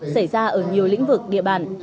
xảy ra ở nhiều lĩnh vực địa bàn